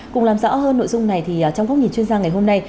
cùng làm rõ hơn nội dung này thì trong góc nhìn chuyên gia ngày hôm nay